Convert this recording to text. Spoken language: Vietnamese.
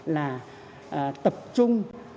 là tập trung